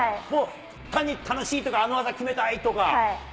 単に楽しいとか、あの技決めたいとか？